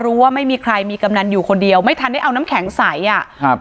ว่าไม่มีใครมีกำนันอยู่คนเดียวไม่ทันได้เอาน้ำแข็งใสอ่ะครับ